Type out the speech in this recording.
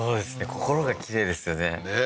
心がきれいですよねねえ